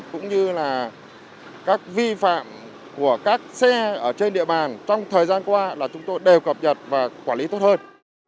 cũng như là các vi phạm của các xe ở trên địa bàn trong thời gian qua là chúng tôi đều cập nhật và quản lý tốt hơn